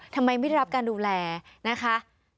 ทำไมไม่ได้รับการดูแลนะคะ